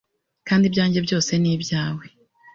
kandi ibyanjye byose ni ibyawe